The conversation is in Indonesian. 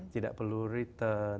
tidak perlu return